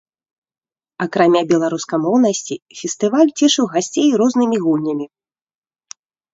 Акрамя беларускамоўнасці, фестываль цешыў гасцей рознымі гульнямі.